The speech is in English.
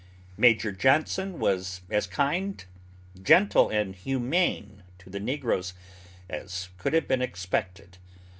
Major Johnson was as kind, gentle, and humane to the negroes as could have been expected.